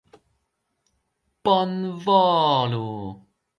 Bonvolu!